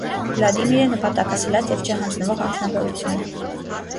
Վլադիմիրը նպատակասլաց և չհանձնվող անձնավորություն է։